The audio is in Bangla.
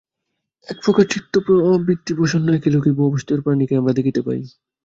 একপ্রকার-চিত্তবৃত্তিসম্পন্ন, একই লোকে অবস্থিত প্রাণীকেই আমরা দেখিতে পাই।